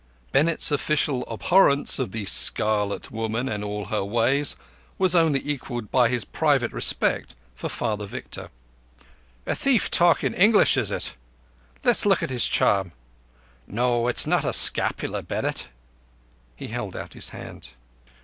Bennett's official abhorrence of the Scarlet Woman and all her ways was only equalled by his private respect for Father Victor. "A thief talking English, is it? Let's look at his charm. No, it's not a scapular, Bennett." He held out his hand.